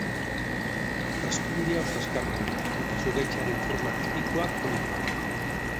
Hazkundea oso azkarra du eta zuhaitzaren forma tipikoa konikoa da.